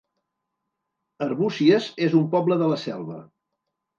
Arbúcies es un poble de la Selva